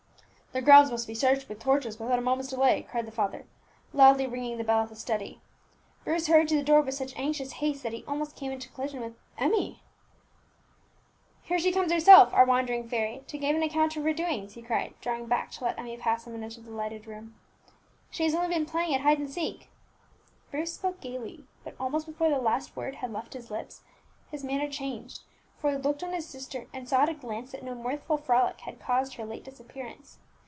"The grounds must be searched with torches without a moment's delay," cried the father, loudly ringing the bell of the study. Bruce hurried to the door with such anxious haste that he almost came into collision with Emmie! "Here she comes herself, our wandering fairy, to give an account of her doings!" he cried, drawing back to let Emmie pass him and enter the lighted apartment. "She has only been playing at hide and seek." Bruce spoke gaily, but almost before the last word had left his lips his manner changed, for he looked on his sister, and saw at a glance that no mirthful frolic had caused her late disappearance.